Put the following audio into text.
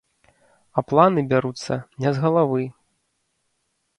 А планы бяруцца не з галавы.